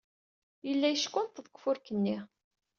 Yella yeckunṭeḍ deg ufurk-nni.